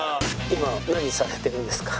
「今何されてるんですか？」。